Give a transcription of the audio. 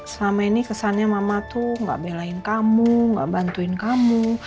selama ini kesannya mama tuh gak belain kamu gak bantuin kamu